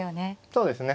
そうですね。